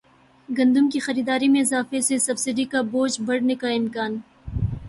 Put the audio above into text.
گندم کی خریداری میں اضافے سے سبسڈی کا بوجھ بڑھنے کا امکان